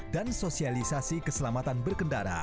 dan sosialisasi keselamatan berkendara